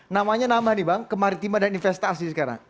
namanya nama nih bang kemaritima dan investasi sekarang